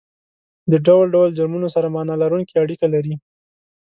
د ډول ډول جرمونو سره معنا لرونکې اړیکه لري